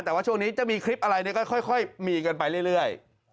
แต่ว่าช่วงนี้จะมีคลิปอะไรก็ค่อยมีกันไปเรื่อย